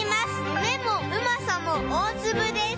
夢も、うまさも大粒です。